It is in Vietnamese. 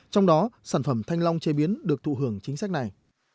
trong đó sản phẩm thanh long chế biến được thụ hưởng chính sách này